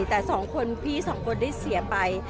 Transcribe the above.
แต่๒คนพี่๒คนได้เสียไป